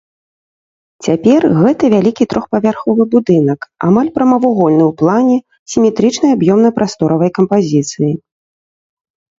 Цяпер гэта вялікі трохпавярховы будынак, амаль прамавугольны ў плане, сіметрычнай аб'ёмна-прасторавай кампазіцыі.